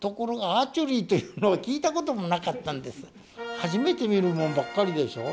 初めて見るもんばっかりでしょ？